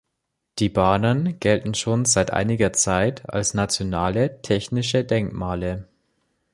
Die Bahnen gelten schon seit einiger Zeit als nationale technische Denkmale.